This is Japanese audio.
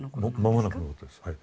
間もなくのことですはい。